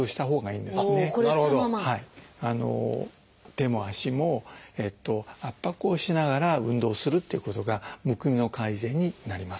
手も足も圧迫をしながら運動するっていうことがむくみの改善になります。